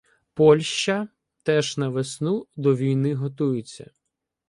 Польща теж на весну до війни готується.